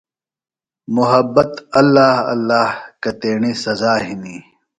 محبت ﷲ ﷲ کتیݨی سزا ہِنیۡ۔